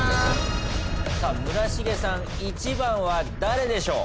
さあ村重さん１番は誰でしょう？